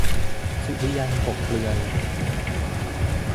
สุริยันต์ กกเปลือย